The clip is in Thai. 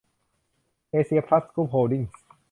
เอเซีย พลัส กรุ๊ป โฮลดิ้งส์